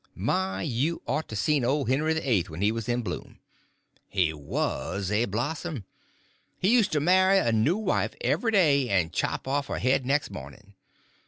My, you ought to seen old Henry the Eight when he was in bloom. He was a blossom. He used to marry a new wife every day, and chop off her head next morning.